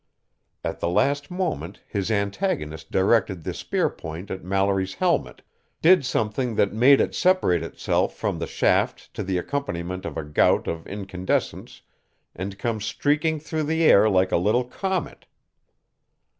At the last moment his antagonist directed the spearpoint at Mallory's helmet, did something that made it separate itself from the shaft to the accompaniment of a gout of incandescence and come streaking through the air like a little comet.